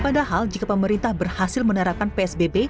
padahal jika pemerintah berhasil menerapkan psbb